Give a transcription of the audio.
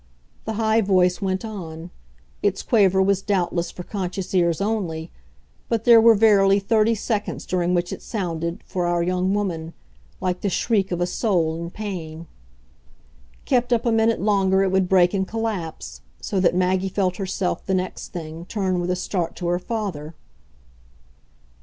The high voice went on; its quaver was doubtless for conscious ears only, but there were verily thirty seconds during which it sounded, for our young woman, like the shriek of a soul in pain. Kept up a minute longer it would break and collapse so that Maggie felt herself, the next thing, turn with a start to her father.